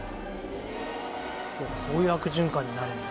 そうかそういう悪循環になるんだ。